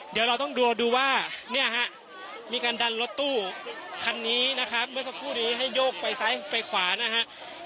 เดี๋ยวเราต้องดูว่าเนี่ยฮะมีการดันรถตู้คันนี้นะครับเมื่อสักครู่นี้ให้โยกไปซ้ายไปขวานะฮะ